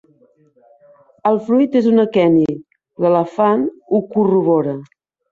El fruit és un aqueni. L'elefant ho corrobora.